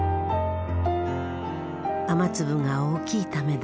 雨粒が大きいためだ。